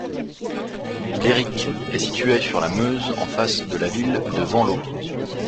Blerick est situé sur la Meuse, en face de la ville de Venlo.